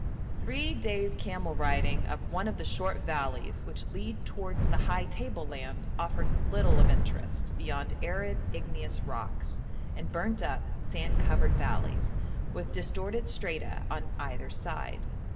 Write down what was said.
Three days' camel riding up one of the short valleys which lead towards the high table land offered little of interest beyond arid, igneous rocks, and burnt up, sand covered valleys, with distorted strata on either side.